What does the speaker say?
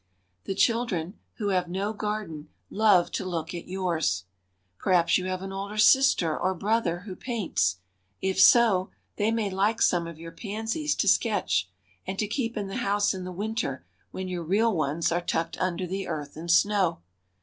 The children who have no garden love to look at yours. Perhaps you have an older sister or brother who paints. If so, they may like some of your pansies to sketch, and to keep in the house in the winter when your real ones are tucked under the earth and snow.